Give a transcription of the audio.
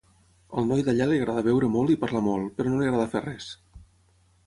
Al noi d'allà li agrada beure molt i parlar molt, però no li agrada fer res.